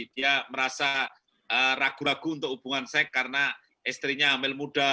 dia merasa ragu ragu untuk hubungan seks karena istrinya hamil muda